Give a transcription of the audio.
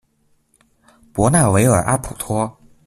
博纳维尔阿普托。